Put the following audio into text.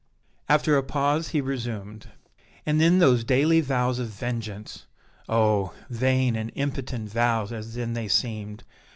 After a pause he resumed: "And then those daily vows of vengeance! oh! vain and impotent vows as then they seemed!